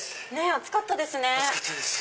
暑かったですね。